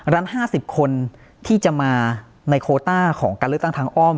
๕๐คนที่จะมาในโคต้าของการเลือกตั้งทางอ้อม